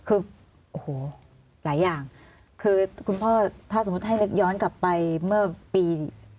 คือโอ้โหหลายอย่างคือคุณพ่อถ้าสมมุติให้นึกย้อนกลับไปเมื่อปี๒๕๖